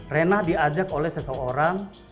rena diajak oleh seseorang